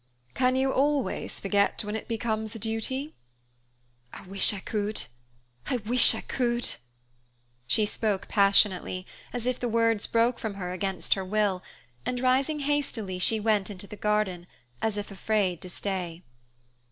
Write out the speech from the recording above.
"Can you always forget when it becomes a duty?" "I wish I could! I wish I could!" She spoke passionately, as if the words broke from her against her will, and, rising hastily, she went into the garden, as if afraid to stay.